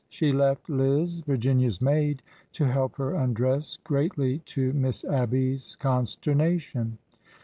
She left Liz, Vir ginia's maid, to help her undress, greatly to Miss Abby's consternation.